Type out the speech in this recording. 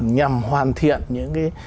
nhằm hoàn thiện những cái